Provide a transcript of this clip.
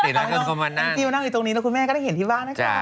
นั่งกีมานั่งอยู่ตรงนี้แล้วคุณแม่ก็ได้เห็นที่บ้านนะคะ